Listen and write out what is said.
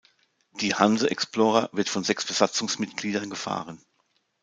Die "Hanse Explorer" wird von sechs Besatzungsmitgliedern gefahren.